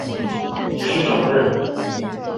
你是什么人